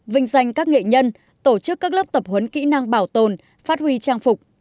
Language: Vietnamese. vinh danh các nghệ nhân tổ chức các lớp tập huấn kỹ năng bảo tồn phát huy trang phục